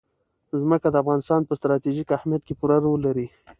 ځمکه د افغانستان په ستراتیژیک اهمیت کې پوره رول لري.